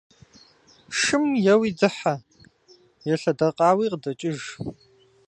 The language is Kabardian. Шым еуи дыхьэ, елъэдэкъауи къыдэкӏыж.